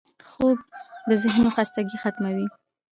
خوب د ذهنو خستګي ختموي